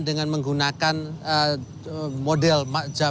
dengan menggunakan model jadwal